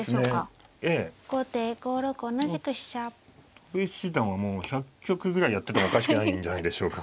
戸辺七段はもう１００局ぐらいやっててもおかしくないんじゃないでしょうか。